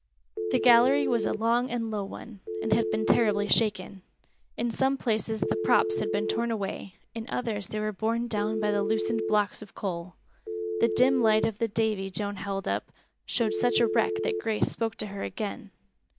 The gallery was a long and low one, and had been terribly shaken. In some places the props had been torn away, in others they were borne down by the loosened blocks of coal. The dim light of the "Davy" Joan held up showed such a wreck that Grace spoke to her again.